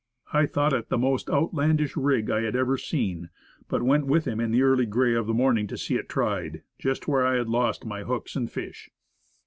I thought it the most outlandish rig I had ever seen, but went with him in the early gray of the morning to see it tried, just where I had lost my hooks and fish.